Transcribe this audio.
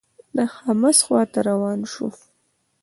د حمص خوا ته روان شو.